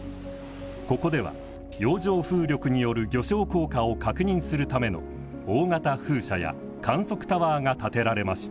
ここでは洋上風力による漁礁効果を確認するための大型風車や観測タワーが建てられました。